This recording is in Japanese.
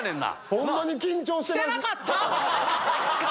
ホンマに緊張して。